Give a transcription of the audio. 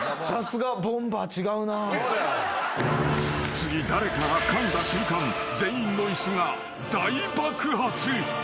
［次誰かがかんだ瞬間全員の椅子が大爆発］